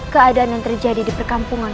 keadaan yang terjadi di perkampungan